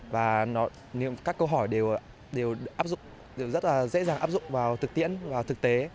và các câu hỏi đều rất là dễ dàng áp dụng vào thực tiễn và thực tế